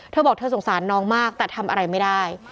เธอบอกเธอสงสารน้องมากแต่ทำอะไรไม่ได้